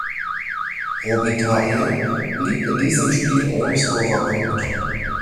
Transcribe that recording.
Robitaille blieb in diesem Spiel ohne Scorerpunkt.